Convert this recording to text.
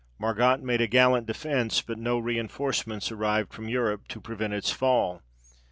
Margat made a gallant defence, but no reinforcements arrived from Europe to prevent its fall.